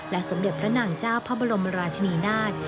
และสมเด็จพระหนังเจ้าพรบรมราชนีนาธ